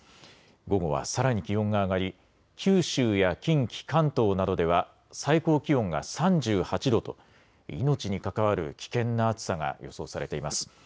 午後はさらに気温が上がり九州や近畿、関東などでは最高気温が３８度と命に関わる危険な暑さが予想されています。